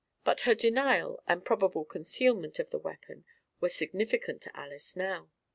But her denial and probable concealment of the weapon were significant to Alys now.